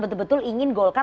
betul betul ingin golkar